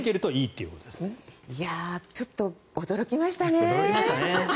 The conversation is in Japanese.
いやちょっと驚きましたね。